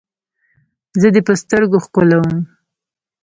زه دې په سترګو ښکلوم.